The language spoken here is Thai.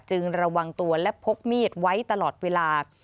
ระวังตัวและพกมีดไว้ตลอดเวลา